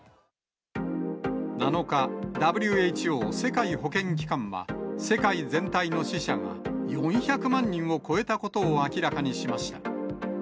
７日、ＷＨＯ・世界保健機関は、世界全体の死者が４００万人を超えたことを明らかにしました。